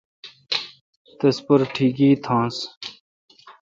تس پر ٹھگئ تھانس۔